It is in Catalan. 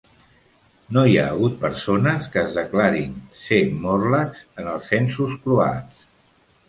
No hi ha hagut persones que es declarin a ser Morlachs en els censos croats.